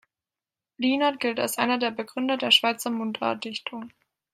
Lienert gilt als einer der Begründer der Schweizer Mundartdichtung.